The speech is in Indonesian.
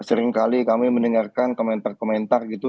seringkali kami mendengarkan komentar komentar gitu